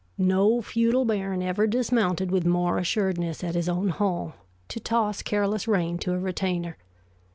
No feudal baron ever dismounted with more assuredness at his own hall, to toss careless rein to a retainer.